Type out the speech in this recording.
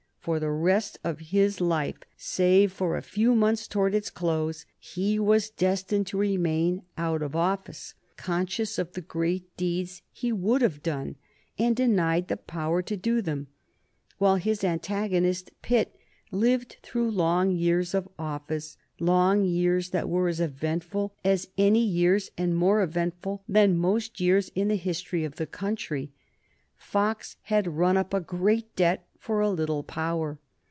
For the rest of his life, save for a few months towards its close, he was destined to remain out of office, conscious of the great deeds he would have done and denied the power to do them, while his antagonist Pitt lived through long years of office, long years that were as eventful as any years and more eventful than most years in the history of the country. Fox had run up a great debt for a little power.